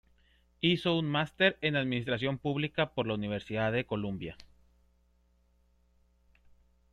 Hizo un máster en Administración Pública por la Universidad de Columbia.